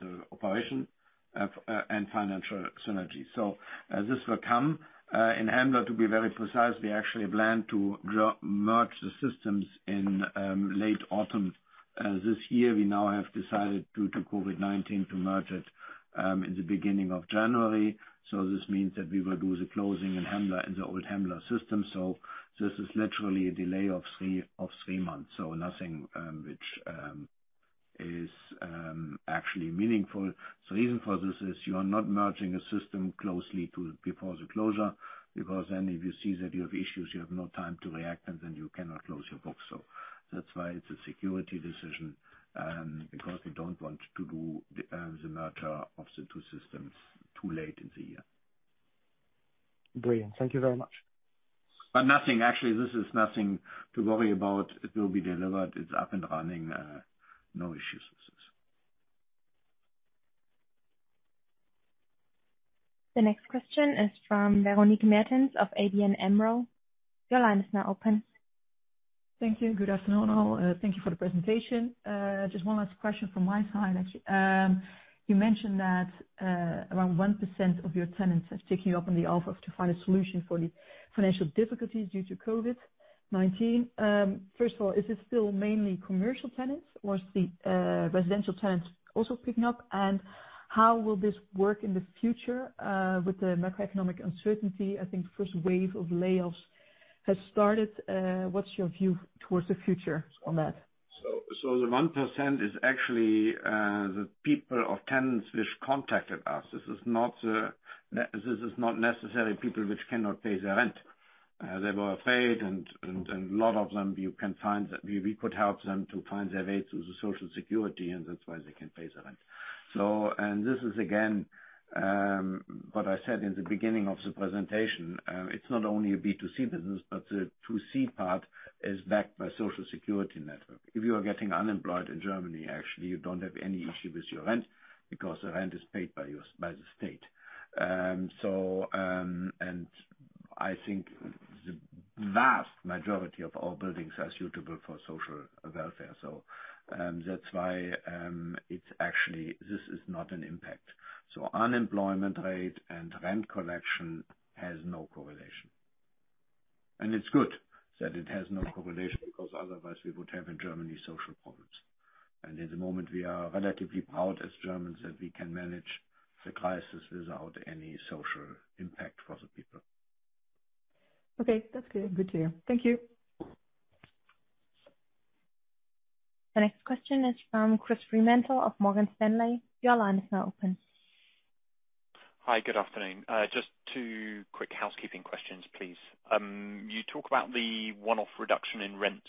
the operation and financial synergy. As this will come in Hembla, to be very precise, we actually plan to merge the systems in late autumn this year. We now have decided due to COVID-19 to merge it in the beginning of January. This means that we will do the closing in the old Hembla system. This is literally a delay of three months. Nothing which is actually meaningful. The reason for this is you are not merging a system closely before the closure, because then if you see that you have issues, you have no time to react, and then you cannot close your book. That's why it's a security decision, because we don't want to do the merge of the two systems too late in the year. Brilliant. Thank you very much. Nothing, actually, this is nothing to worry about. It will be delivered. It is up and running. No issues with this. The next question is from Véronique Meertens of ABN AMRO. Your line is now open. Thank you. Good afternoon, all. Thank you for the presentation. Just one last question from my side, actually. You mentioned that around 1% of your tenants have taken you up on the offer to find a solution for the financial difficulties due to COVID-19. First of all, is this still mainly commercial tenants, or is the residential tenants also picking up? How will this work in the future with the macroeconomic uncertainty? I think first wave of layoffs has started. What's your view towards the future on that? The 1% is actually the people or tenants which contacted us. This is not necessarily people which cannot pay their rent. They were afraid, a lot of them, we could help them to find their way through the Social Security, that's why they can pay their rent. This is, again, what I said in the beginning of the presentation. It's not only a B2C business, the 2C part is backed by Social Security Network. If you are getting unemployed in Germany, actually, you don't have any issue with your rent because the rent is paid by the state. I think the vast majority of our buildings are suitable for social welfare. That's why this is not an impact. Unemployment rate and rent collection has no correlation. It's good that it has no correlation, because otherwise we would have in Germany social problems. At the moment, we are relatively proud as Germans that we can manage the crisis without any social impact for the people. Okay. That's good to hear. Thank you. The next question is from Chris Fremantle of Morgan Stanley. Your line is now open. Hi. Good afternoon. Just two quick housekeeping questions, please. You talk about the one-off reduction in rents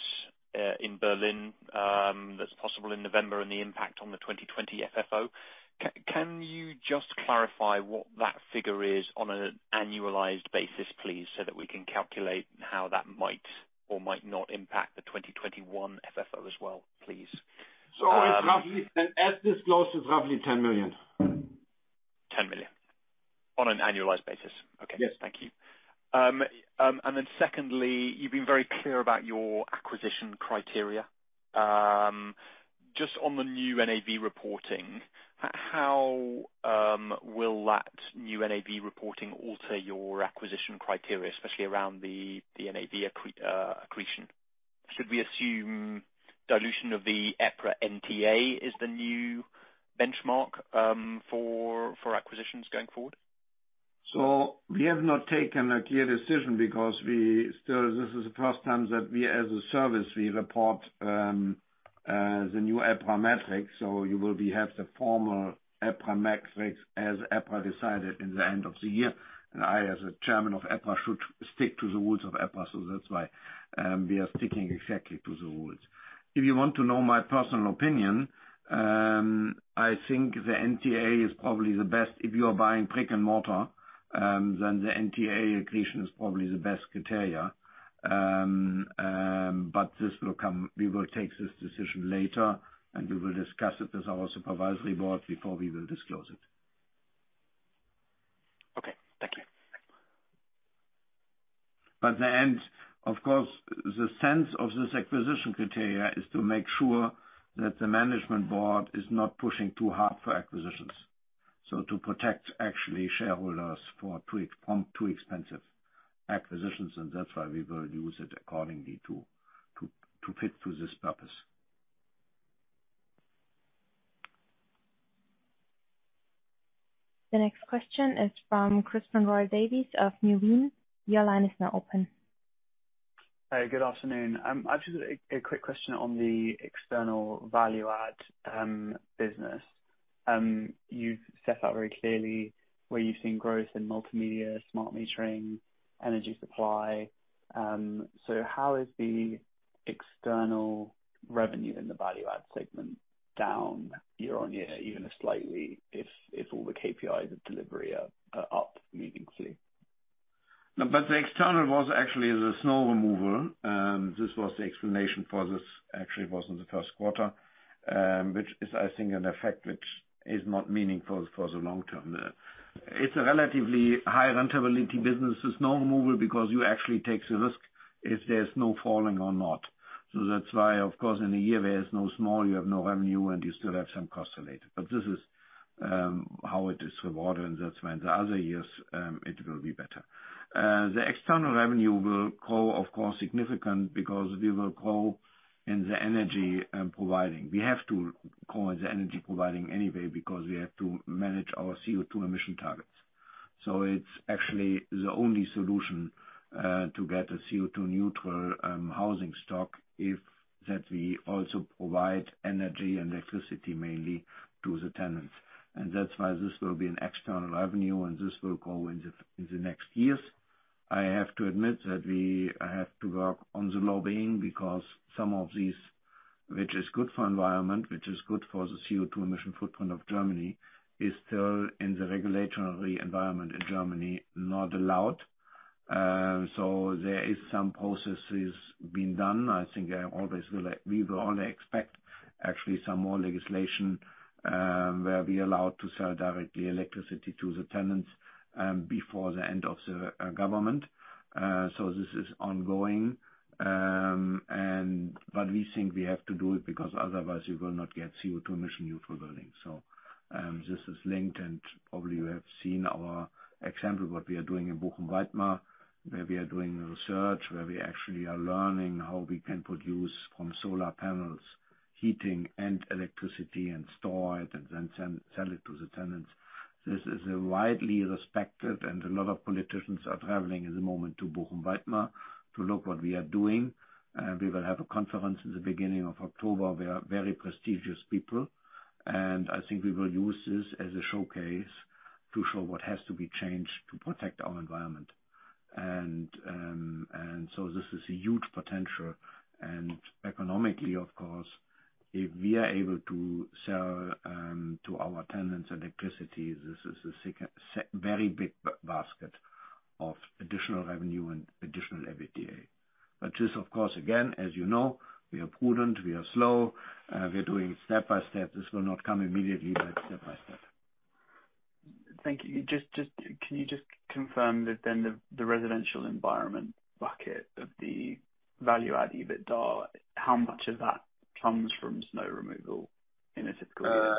in Berlin that's possible in November and the impact on the 2020 FFO. Can you just clarify what that figure is on an annualized basis, please, so that we can calculate how that might or might not impact the 2021 FFO as well, please? As disclosed, it's roughly 10 million. 10 million on an annualized basis. Okay. Yes. Thank you. Secondly, you've been very clear about your acquisition criteria. Just on the new NAV reporting, how will that new NAV reporting alter your acquisition criteria, especially around the NAV accretion? Should we assume dilution of the EPRA NTA is the new benchmark for acquisitions going forward? We have not taken a clear decision because this is the first time that we as a service report the new EPRA metric. You will have the formal EPRA metrics as EPRA decided in the end of the year. I, as a chairman of EPRA, should stick to the rules of EPRA. That's why we are sticking exactly to the rules. If you want to know my personal opinion, I think the NTA is probably the best. If you are buying brick and mortar, then the NTA accretion is probably the best criteria. We will take this decision later, and we will discuss it with our supervisory board before we will disclose it. Okay. Thank you. Of course, the sense of this acquisition criteria is to make sure that the management board is not pushing too hard for acquisitions. To protect actually shareholders from too expensive acquisitions, and that's why we will use it accordingly to fit to this purpose. The next question is from Crispin Royle-Davies of Nuveen. Your line is now open. Good afternoon. I've just a quick question on the external value add business. You've set out very clearly where you've seen growth in multimedia, smart metering, energy supply. How is the external revenue in the value add segment down year-on-year, even slightly, if all the KPIs of delivery are up meaningfully? No, the external was actually the snow removal. This was the explanation for this actually was in the first quarter, which is I think an effect which is not meaningful for the long term. It's a relatively high rentability business, the snow removal, because you actually take the risk if there's snow falling or not. That's why of course, in a year where there's no snow, you have no revenue and you still have some costs related. This is how it is rewarded, and that's when the other years it will be better. The external revenue will grow, of course, significant because we will grow in the energy providing. We have to grow in the energy providing anyway because we have to manage our CO2 emission targets. It's actually the only solution to get a CO2 neutral housing stock, if that we also provide energy and electricity mainly to the tenants. That's why this will be an external revenue and this will grow in the next years. I have to admit that we have to work on the lobbying because some of these, which is good for environment, which is good for the CO2 emission footprint of Germany, is still in the regulatory environment in Germany, not allowed. There is some processes being done. I think we will only expect actually some more legislation, where we allowed to sell directly electricity to the tenants before the end of the government. This is ongoing. We think we have to do it because otherwise you will not get CO2 emission neutral buildings. This is linked and probably you have seen our example, what we are doing in Bochum, Weitmar, where we are doing research, where we actually are learning how we can produce from solar panels, heating and electricity, and store it, and then sell it to the tenants. This is a widely respected and a lot of politicians are traveling at the moment to Bochum, Weitmar to look what we are doing. We will have a conference in the beginning of October with very prestigious people. I think we will use this as a showcase to show what has to be changed to protect our environment. This is a huge potential. Economically, of course, if we are able to sell to our tenants electricity, this is a very big basket of additional revenue and additional EBITDA. This, of course, again, as you know, we are prudent, we are slow. We are doing step by step. This will not come immediately, but step by step. Thank you. Can you just confirm that then the residential environment bucket of the value-add EBITDA, how much of that comes from snow removal in a typical year?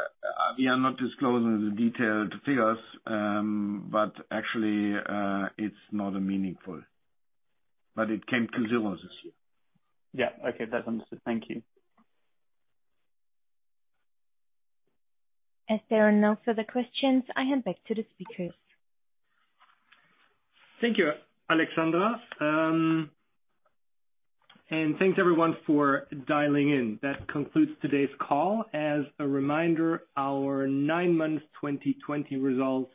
We are not disclosing the detailed figures. Actually, it's not meaningful. It came to zero this year. Yeah. Okay. That's understood. Thank you. As there are no further questions, I hand back to the speakers. Thank you, Alexandra. Thanks everyone for dialing in. That concludes today's call. As a reminder, our nine months 2020 results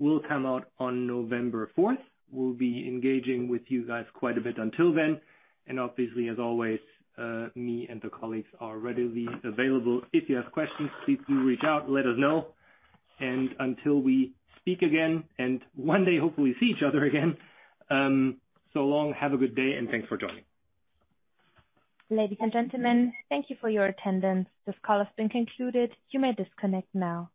will come out on November 4th. We'll be engaging with you guys quite a bit until then. Obviously, as always, me and the colleagues are readily available. If you have questions, please do reach out, let us know. Until we speak again, and one day hopefully see each other again, so long, have a good day, and thanks for joining. Ladies and gentlemen, thank you for your attendance. This call has been concluded. You may disconnect now.